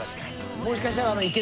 もしかしたら。